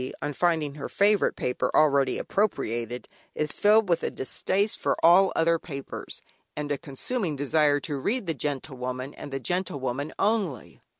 on finding her favourite paper already appropriated, is filled with a distaste for all other papers, and a consuming desire to read "The Gentlewoman," and "The Gentlewoman" only.